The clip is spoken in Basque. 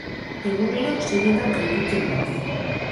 Egunero seietan jaikitzen naiz